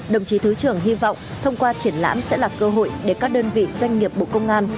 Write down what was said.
đồng chí thứ trưởng hy vọng thông qua triển lãm sẽ là cơ hội để các đơn vị doanh nghiệp bộ công an